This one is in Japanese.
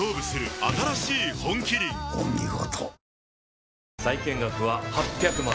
お見事。